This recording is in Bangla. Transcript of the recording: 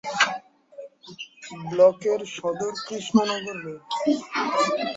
ব্লকের সদর কৃষ্ণনগর রোড।